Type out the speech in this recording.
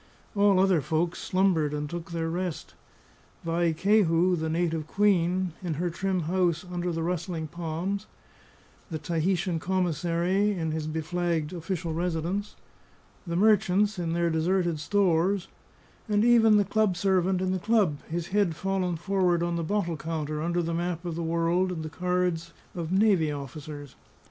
All other folks slumbered and took their rest: Vaekehu, the native queen, in her trim house under the rustling palms; the Tahitian commissary, in his beflagged official residence; the merchants, in their deserted stores; and even the club servant in the club, his head fallen forward on the bottle counter, under the map of the world and the cards of navy officers.